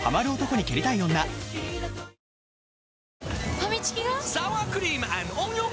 ファミチキが！？